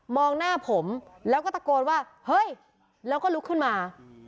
หน้าผมแล้วก็ตะโกนว่าเฮ้ยแล้วก็ลุกขึ้นมา